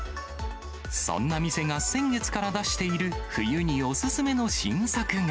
そんな店が先月から出している冬にお勧めの新作が。